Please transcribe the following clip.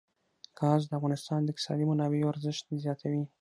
ګاز د افغانستان د اقتصادي منابعو ارزښت زیاتوي.